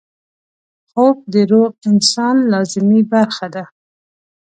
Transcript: خوب د روغ انسان لازمي برخه ده